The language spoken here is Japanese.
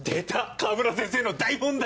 河村先生の大問題作！